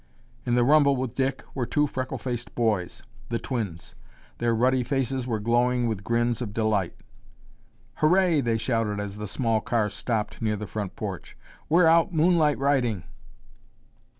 In the rumble with Dick were two freckle faced boys, the twins. Their ruddy faces were glowing with grins of delight. "Hurray!" they shouted as the small car stopped near the front porch. "We're out moonlight riding."